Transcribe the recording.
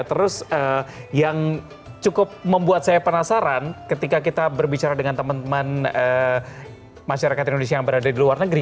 terus yang cukup membuat saya penasaran ketika kita berbicara dengan teman teman masyarakat indonesia yang berada di luar negeri